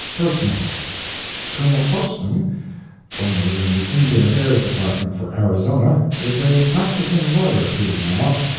Personal. Colonel Poston, formerly in the Indian Affairs Department for Arizona, is a practicing lawyer here, now.